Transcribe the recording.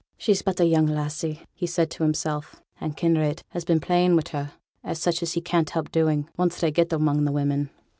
'She's but a young lassie,' said he to himself; 'an' Kinraid has been playing wi' her, as such as he can't help doing, once they get among the women.